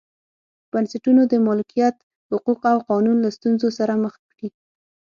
بنسټونو د مالکیت حقوق او قانون له ستونزو سره مخ کړي.